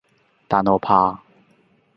但我怕